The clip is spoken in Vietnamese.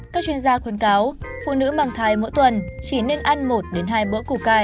các chuyên gia khuyên cáo phụ nữ mang thai mỗi tuần chỉ nên ăn một hai bữa củ cải